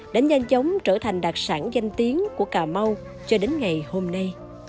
đã nhanh chóng trở thành đặc sản danh tiếng của cà mau cho đến ngày hôm nay